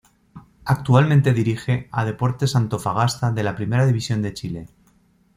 Actualmente dirige a Deportes Antofagasta de la Primera División de Chile.